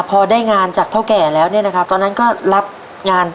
พอได้งานจากเท่าแก่แล้วเนี่ยนะครับตอนนั้นก็รับงาน